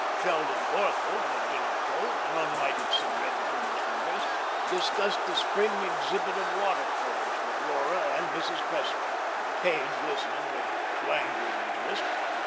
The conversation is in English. Sheldon Corthell, in a dinner coat, an unlighted cigarette between his fingers, discussed the spring exhibit of water colors with Laura and Mrs. Cressler, Page listening with languid interest.